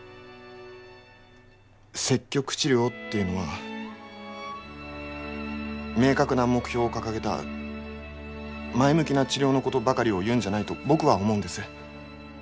積極治療っていうのは明確な目標を掲げた前向きな治療のことばかりを言うんじゃないと僕は思うんです。